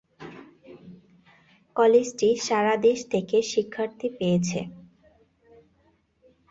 কলেজটি সারা দেশ থেকে শিক্ষার্থী পেয়েছে।